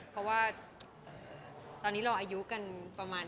เพราะว่าตอนนี้เราอายุกันประมาณ